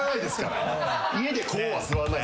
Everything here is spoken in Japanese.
家でこうは座んない。